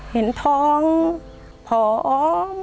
เห็นท้องผอม